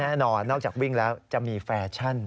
แน่นอนนอกจากวิ่งแล้วจะมีแฟชั่น